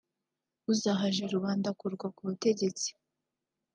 uzahaje rubanda akurwa ku butegetsi